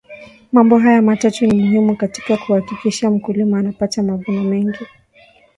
mambo haya matatu ni muhimu katika kuhakikisha mmkulima anapata mavuno mengi